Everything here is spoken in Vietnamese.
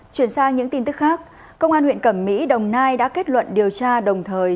chuyển sang những tin tức khác công an huyện cẩm mỹ đồng nai đã kết luận điều tra đồng thời